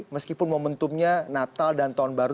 meskipun momentumnya natal dan tahun baru